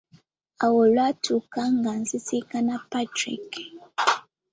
Awo olwatuuka nga nsisinkana Patrick.